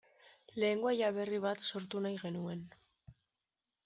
Lengoaia berri bat sortu nahi genuen.